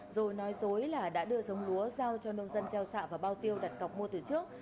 rồi nói dối là đã đưa giống lúa giao cho nông dân gieo xạ và bao tiêu đặt cọc mua từ trước